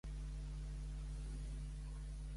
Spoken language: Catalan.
Quin és l'import que havia d'abonar Boye?